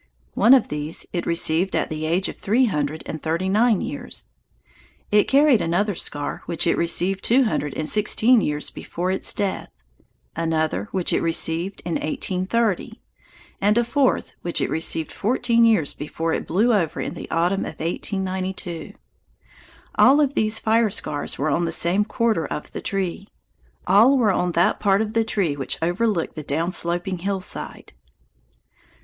One of these it received at the age of three hundred and thirty nine years. It carried another scar which it received two hundred and sixteen years before its death; another which it received in 1830; and a fourth which it received fourteen years before it blew over in the autumn of 1892. All of these fire scars were on the same quarter of the tree. All were on that part of the tree which overlooked the down sloping hillside.